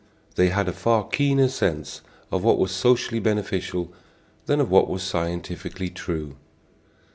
They had a far keener sense of what was socially beneficial than of what was scientifically true.